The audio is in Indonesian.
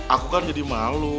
aku kan jadi malu